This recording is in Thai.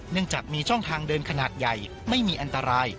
จากมีช่องทางเดินขนาดใหญ่ไม่มีอันตราย